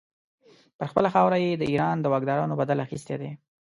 پر خپله خاوره یې د ایران د واکدارانو بدل اخیستی دی.